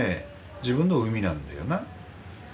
自分の海なんだよな。